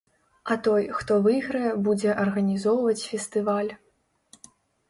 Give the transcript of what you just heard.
А той, хто выйграе, будзе арганізоўваць фестываль.